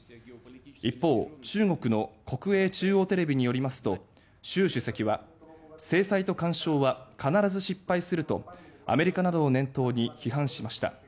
一方、中国の国営中央テレビによりますと習主席は制裁と干渉は必ず失敗するとアメリカなどを念頭に批判しました。